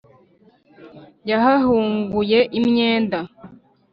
yahahunguye impenda,